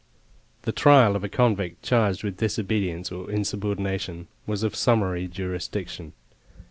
The trial of a convict charged with disobedience or insubordination was of summary jurisdiction.